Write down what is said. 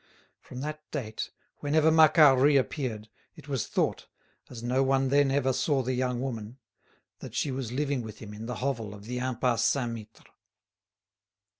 From that date, whenever Macquart reappeared, it was thought, as no one then ever saw the young woman, that she was living with him in the hovel of the Impasse Saint Mittre.